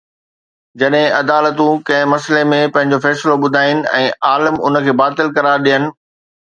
جڏهن عدالتون ڪنهن مسئلي ۾ پنهنجو فيصلو ٻڌائين ۽ عالم ان کي باطل قرار ڏين